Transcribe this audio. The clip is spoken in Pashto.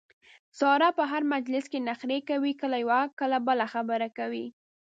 ساره په هر مجلس کې نخرې کوي کله یوه کله بله خبره کوي.